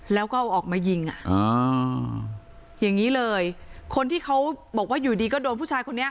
แล้วก็เอาออกมายิงอ่ะอ่าอย่างนี้เลยคนที่เขาบอกว่าอยู่ดีก็โดนผู้ชายคนนี้